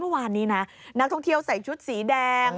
เมื่อวานนี้นะนักท่องเที่ยวใส่ชุดสีแดง